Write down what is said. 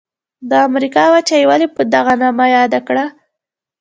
د امریکا وچه یې ولي په دغه نامه یاده کړه؟